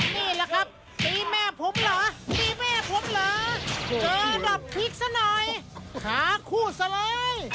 นี่แหละครับตีแม่ผมเหรอตีแม่ผมเหรอเจอดับพลิกซะหน่อยขาคู่ซะเลย